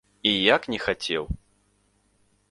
І як не хацеў!